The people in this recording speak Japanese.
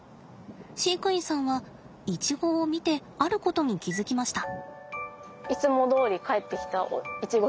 飼育員さんはイチゴを見てあることに気付きました。